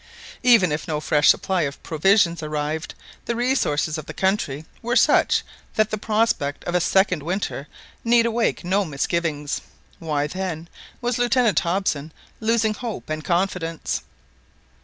Even if no fresh supply of provisions arrived, the resources of the country were such that the prospect of a second winter need awake no misgivings. Why, then, was Lieutenant Hobson losing hope and confidence?